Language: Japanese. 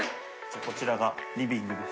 こちらがリビングです。